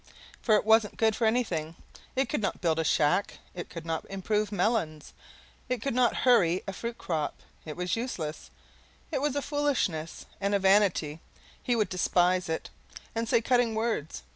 For it wasn't good for anything; it could not build a shack, it could not improve melons, it could not hurry a fruit crop; it was useless, it was a foolishness and a vanity; he would despise it and say cutting words.